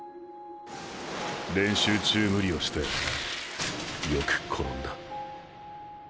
練習中ムリをしてよくころんだ。